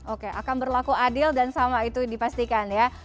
oke akan berlaku adil dan sama itu dipastikan ya